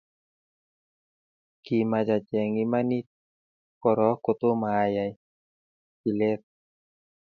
Kimach acheng imanit korok kotomo ayai tileet